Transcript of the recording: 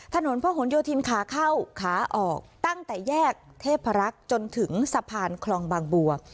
ถนนพระหลโยธินขาเข้าขาออกตั้งแต่แยกเทพรักษ์จนถึงสะพานคลองบางบัว